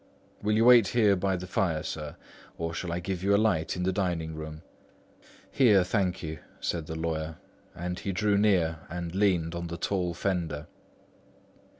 "Will you wait here by the fire, sir? or shall I give you a light in the dining room?" "Here, thank you," said the lawyer, and he drew near and leaned on the tall fender.